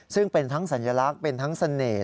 ซึ่งเป็นทั้งสัญลักษณ์เป็นทั้งเสน่ห์